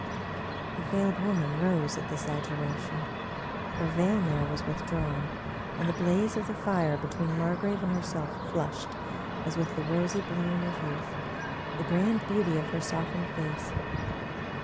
" The Veiled Woman rose at this adjuration. Her veil now was withdrawn, and the blaze of the fire between Mar grave and herself flushed, as with the rosy bloom of youth, the grand beauty of her softened face.